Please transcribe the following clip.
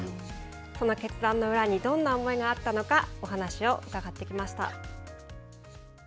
その決断の裏に、どんな思いがあったのか、お話を伺ってきました。